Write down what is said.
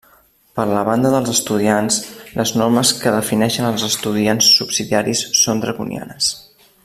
Per la banda dels estudiants, les normes que defineixen els estudiants subsidiaris són draconianes.